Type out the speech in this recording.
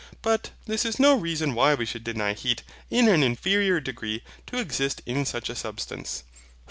But this is no reason why we should deny heat in an inferior degree to exist in such a substance.